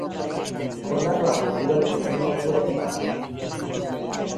Ondarroako udaleko zinegotzia ere bada.